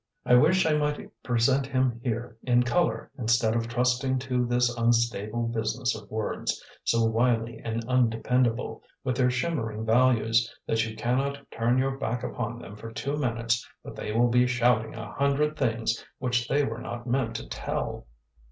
I wish I might present him here in colour instead of trusting to this unstable business of words, so wily and undependable, with their shimmering values, that you cannot turn your back upon them for two minutes but they will be shouting a hundred things which they were not meant to tell.